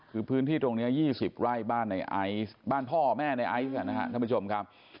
คือพื้นที่ตรงนี้๒๐ไร่บ้านในไอซ์บ้านพ่อแม่ในไอซ์นะครับท่านผู้ชมครับ